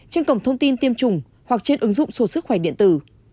trên cổng thông tin tiêm chủng hoặc trên ứng dụng số sức khỏe điện tử